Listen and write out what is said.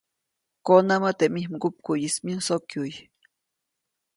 Konämä teʼ mij mgupkuʼyis myusokyuʼy.